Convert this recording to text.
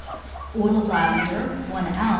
Oil of lavender 1 oz.